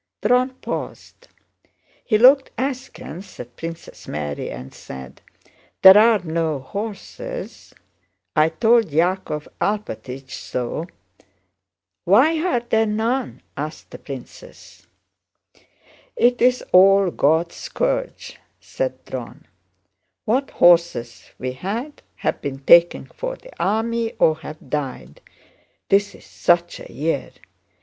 Dron paused. He looked askance at Princess Mary and said: "There are no horses; I told Yákov Alpátych so." "Why are there none?" asked the princess. "It's all God's scourge," said Dron. "What horses we had have been taken for the army or have died—this is such a year!